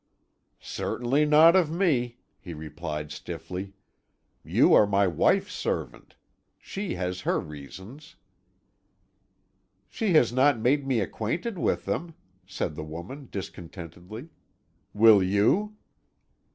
"Certainly not of me," he replied stiffly; "you are my wife's servant. She has her reasons." "She has not made me acquainted with them," said the woman discontentedly. "Will you?"